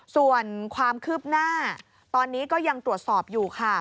ส่วนความคืบหน้าตอนนี้ก็ยังตรวจสอบอยู่ค่ะ